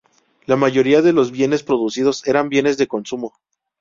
La mayoría de los bienes producidos eran bienes de consumo.